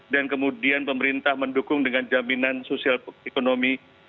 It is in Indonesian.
dan kemudian pemerintah mendukung dengan jaminan sosial ekonomi